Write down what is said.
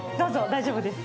大丈夫です。